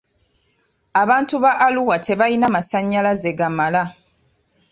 Abantu ba Arua tebalina masannyalaze gamala.